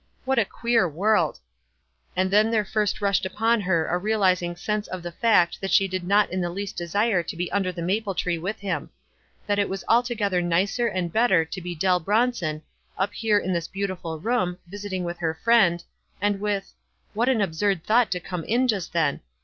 What a queer world ! And then there first rushed upon her a realizing sense of the fact that she did not in the least desire to be under the maple tree with him : that it was altogether nicer and better to be Dell Bronson, up here in this beautiful room, visiting with her friend, and with — what an absurd thought to come in just then